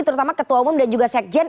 terutama ketua umum dan juga sekjen